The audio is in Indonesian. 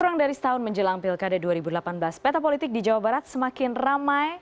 kurang dari setahun menjelang pilkada dua ribu delapan belas peta politik di jawa barat semakin ramai